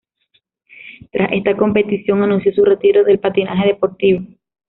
Tras esta competición, anunció su retiro del patinaje deportivo.